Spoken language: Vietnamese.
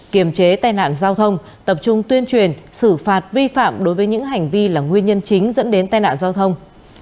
kiềm chế tai nạn giao thông tập trung tuyên truyền xử phạt vi phạm đối với những hành vi là nguyên nhân chính dẫn đến tai nạn giao thông